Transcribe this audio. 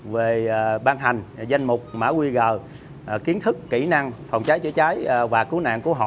về ban hành danh mục mã qr kiến thức kỹ năng phòng cháy chữa cháy và cứu nạn cứu hộ